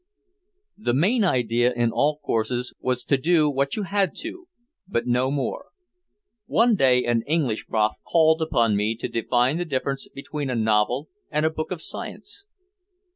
The main idea in all courses was to do what you had to but no more. One day an English prof called upon me to define the difference between a novel and a book of science.